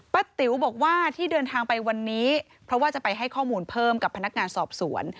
ติ๋วบอกว่าที่เดินทางไปวันนี้เพราะว่าจะไปให้ข้อมูลเพิ่มกับพนักงานสอบสวน